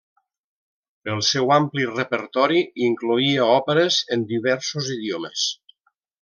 El seu ampli repertori incloïa òperes en diversos idiomes.